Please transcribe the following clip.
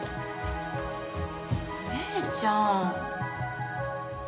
お姉ちゃん。